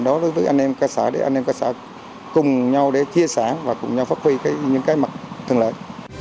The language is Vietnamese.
đối với an ninh các xã để an ninh các xã cùng nhau để chia sáng và cùng nhau phát huy những cái mặt thường lợi